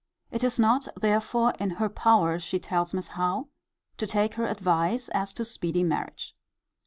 It is not, therefore, in her power, she tells Miss Howe, to take her advice as to speedy marriage.